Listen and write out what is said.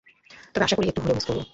তবে আশা করি একটু হলেও মিস করবে।